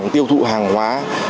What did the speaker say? tiêu thụ hàng hóa